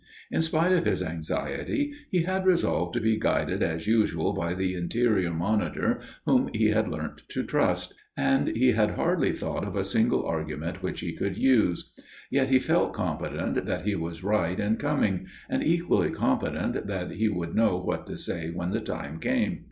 In spite of his anxiety he had resolved to be guided as usual by the interior monitor whom he had learnt to trust, and he had hardly thought of a single argument which he could use. Yet he felt confident that he was right in coming, and equally confident that he would know what to say when the time came.